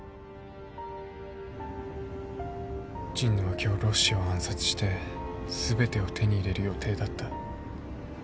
神野は今日ロッシを暗殺して全てを手に入れる予定だった。